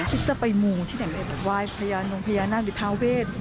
คิดจะไปหมู่ที่ไหนวายพระยานวงพระยานาฬิเท้าเพศ